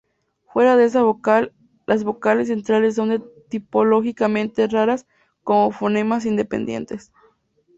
Fuera de esa vocal las vocales centrales son tipológicamente raras como fonemas independientes.